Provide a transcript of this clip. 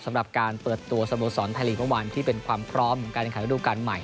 สำหรับการเปิดตัวสโมสรไทยลีกเมื่อวานที่เป็นความพร้อมของการแข่งขันระดูการใหม่